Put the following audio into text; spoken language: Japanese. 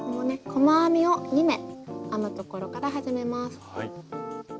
細編みを２目編むところから始めます。